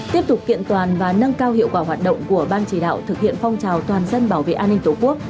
tiếp tục kiện toàn và nâng cao hiệu quả hoạt động của ban chỉ đạo thực hiện phong trào toàn dân bảo vệ an ninh tổ quốc